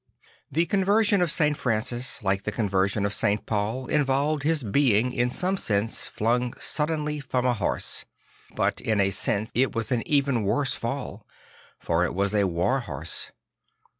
The conversion of St. Francis, like the conversion of St. Paul, involved his being in some sense flung suddenly from a horse; but in a sense it was an even worse fall; for it was a war horse.